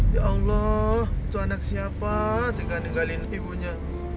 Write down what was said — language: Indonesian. ya allah itu anak siapa tinggalin ibunya